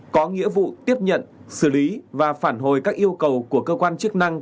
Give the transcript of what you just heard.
có nghĩa vụ tiếp nhận xử lý và phản hồi các yêu cầu của cơ quan chức năng